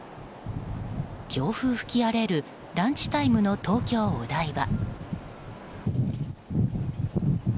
強風吹き荒れるランチタイムの東京・お台場。